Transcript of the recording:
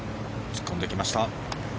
突っ込んできました。